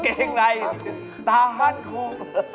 เขาเก่งเลยตามห้านครู